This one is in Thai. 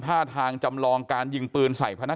แต่ว่าวินนิสัยดุเสียงดังอะไรเป็นเรื่องปกติอยู่แล้วครับ